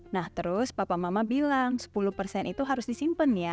nah terus papa mama bilang sepuluh persen itu harus disimpan ya